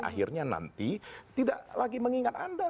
akhirnya nanti tidak lagi mengingat anda